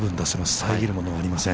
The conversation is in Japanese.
遮るものはありません。